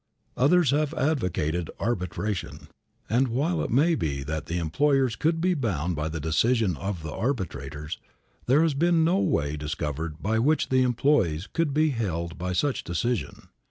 Others have advocated arbitration. And, while it may be that the employers could be bound by the decision of the arbitrators, there has been no way discovered by which the employees could be held by such decision.